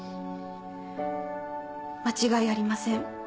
間違いありません。